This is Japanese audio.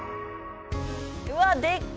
うわっでっか！